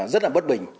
rất là bất bình